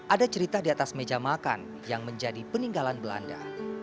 ada cerita di atas meja makan yang menjadi peninggalan belanda